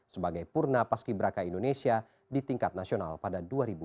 sebagai purna paski beraka indonesia di tingkat nasional pada dua ribu empat belas